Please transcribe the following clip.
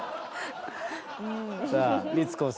さあ光子さん